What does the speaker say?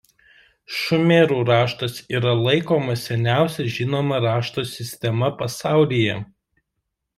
Šumerų raštas yra laikomas seniausia žinoma rašto sistema pasaulyje.